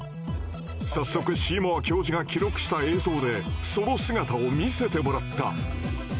早速シーモア教授が記録した映像でその姿を見せてもらった。